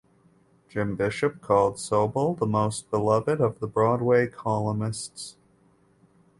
Jim Bishop called Sobol "the most beloved" of the Broadway columnists.